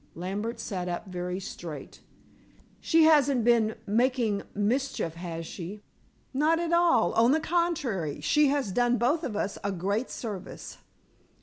Lambert sat up very straight. "She hasn't been making mischief, has she?" "Not at all. On the contrary, she has done both of us a great service."